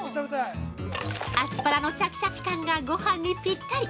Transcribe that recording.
アスパラのシャキシャキ感がごはんにぴったり！